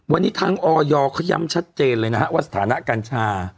วันนี้ทางออยเขาย้ำชัดเจนเลยนะฮะว่าสถานะกัญชา